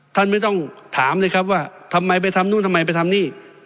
ท่านไม่ต้องถามเลยครับว่าทำไมไปทำนู่นทำไมไปทำนี่